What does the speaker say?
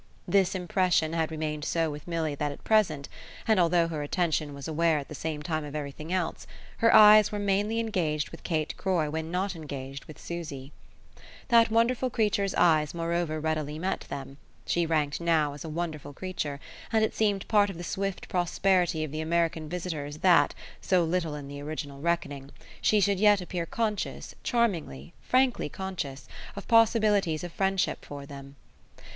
This impression had remained so with Milly that at present, and although her attention was aware at the same time of everything else, her eyes were mainly engaged with Kate Croy when not engaged with Susie. That wonderful creature's eyes moreover readily met them she ranked now as a wonderful creature; and it seemed part of the swift prosperity of the American visitors that, so little in the original reckoning, she should yet appear conscious, charmingly, frankly conscious, of possibilities of friendship for them.